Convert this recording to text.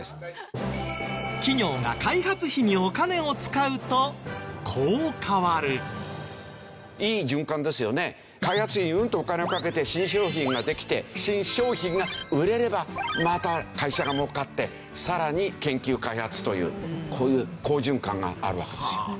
開発費にうんとお金をかけて新商品ができて新商品が売れればまた会社が儲かってさらに研究開発というこういう好循環があるわけですよ。